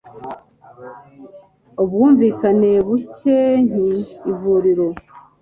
ubwumvikane bubenk, ivuliro